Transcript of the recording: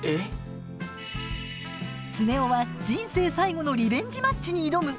常雄は人生最後のリベンジマッチに挑む。